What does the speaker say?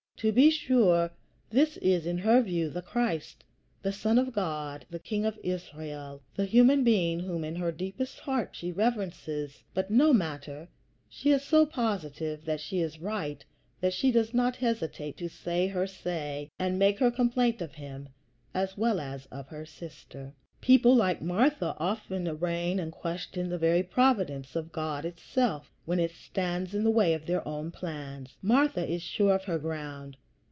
To be sure, this is in her view the Christ, the Son of God, the King of Israel, the human being whom in her deepest heart she reverences; but no matter, she is so positive that she is right that she does not hesitate to say her say, and make her complaint of him as well as of her sister. People like Martha often arraign and question the very providence of God itself when it stands in the way of their own plans. Martha is sure of her ground.